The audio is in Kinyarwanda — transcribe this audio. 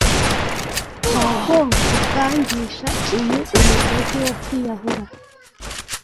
Ntago nkukangisha uyu umugozi wo kwiyahuraa